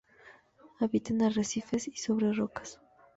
Habita en arrecifes y sobre rocas.